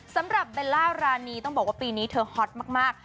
สำหรับเบลล่ารานีต้องบอกว่าปีนี้เธอฮอตมาก